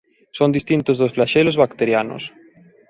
Son distintos dos flaxelos bacterianos.